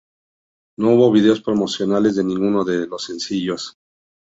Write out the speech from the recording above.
No hubo videos promocionales de ninguno de los sencillos.